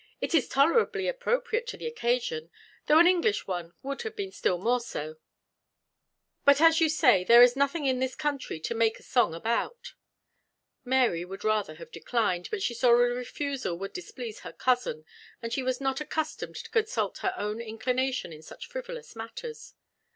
It is tolerably appropriate to the occasion, though an English one would have been still more so; but, as you say, there is nothing in this country to make a song about." Mary would rather have declined, but she saw a refusal would displease her cousin; and she was not accustomed to consult her own inclination in such frivolous matters.